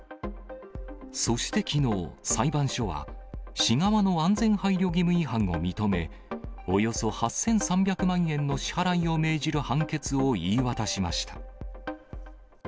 そしてきのう、裁判所は市側の安全配慮義務違反を認め、およそ８３００万円の支払いを命じる判決を言い渡しました。